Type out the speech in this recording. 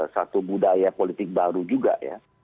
satu budaya politik baru juga ya